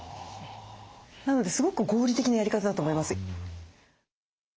なのですごく合理的なやり方だと思います。